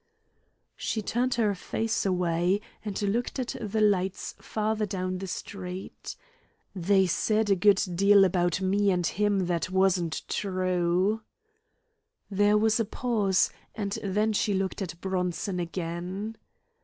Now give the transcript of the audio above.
She turned her face away, and looked at the lights farther down the street. "They said a good deal about me and him that wasn't true." There was a pause, and then she looked at Bronson again.